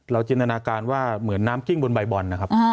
จินตนาการว่าเหมือนน้ำกิ้งบนใบบอลนะครับ